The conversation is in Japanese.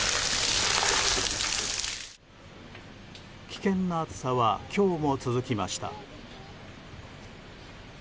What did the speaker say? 危険な暑さは今日も続きました。